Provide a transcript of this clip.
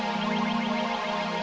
repotin nih pakaiannya